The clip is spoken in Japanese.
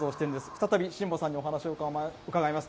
再び、新保さんにお話を伺います。